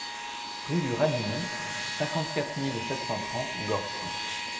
Rue du Radimont, cinquante-quatre mille sept cent trente Gorcy